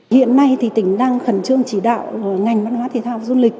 hiện nay thì tỉnh đang khẩn trương chỉ đạo ngành văn hóa thể thao du lịch